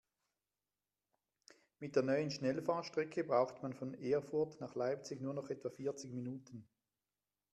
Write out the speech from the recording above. Mit der neuen Schnellfahrstrecke braucht man von Erfurt nach Leipzig nur noch etwa vierzig Minuten